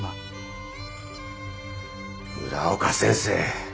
村岡先生。